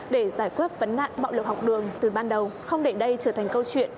để giải quyết vấn nạn bạo lực học đường từ ban đầu không để đây trở thành câu chuyện